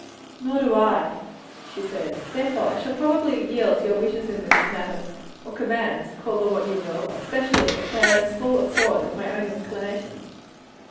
"Nor do I," she said, "therefore shall probably yield to your wishes in this matter or commands, call them what you will; especially as they are in full accord with my own inclinations."